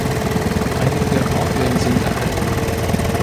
Einige Orgeln sind erhalten.